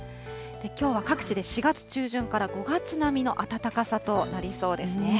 きょうは各地で４月中旬から５月並みの暖かさとなりそうですね。